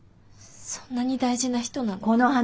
そんなに大事な人なの？